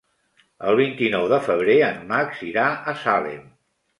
El vint-i-nou de febrer en Max irà a Salem.